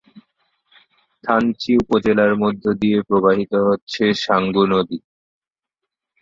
থানচি উপজেলার মধ্য দিয়ে প্রবাহিত হচ্ছে সাঙ্গু নদী।